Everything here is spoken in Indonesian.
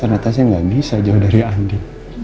ternyata saya nggak bisa jauh dari andi